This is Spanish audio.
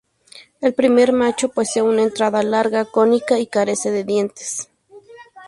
El primer macho posee una entrada larga cónica y carece de dientes.